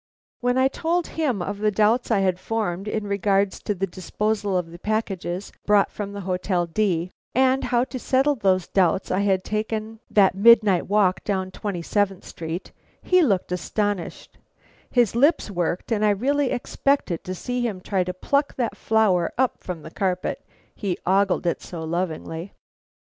When I told him of the doubts I had formed in regard to the disposal of the packages brought from the Hotel D , and how to settle those doubts I had taken that midnight walk down Twenty seventh Street, he looked astonished, his lips worked, and I really expected to see him try to pluck that flower up from the carpet, he ogled it so lovingly.